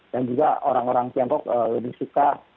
dan juga orang orang tiongkok lebih suka